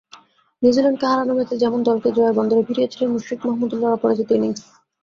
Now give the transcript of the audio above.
নিউজিল্যান্ডকে হারানো ম্যাচে যেমন দলকে জয়ের বন্দরে ভিড়িয়েছিল মুশফিক মাহমুদউল্লাহর অপরাজিত ইনিংস।